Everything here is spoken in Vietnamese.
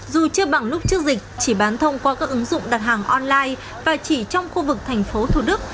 dù chưa bằng lúc trước dịch chỉ bán thông qua các ứng dụng đặt hàng online và chỉ trong khu vực thành phố thủ đức